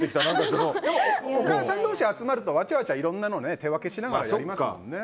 お母さん同士が集まるとわちゃわちゃと手分けしながらやりますもんね。